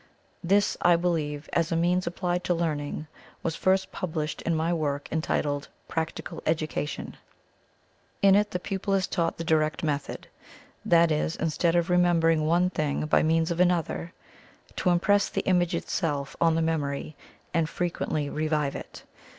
This, I believe, as a means applied to learning, was first published in my work, entitled Practical Education. In it the pupil is taught the direct method; that is, instead of remembering one thing by means of another, to impress the image itself on the memory, and frequently revive it.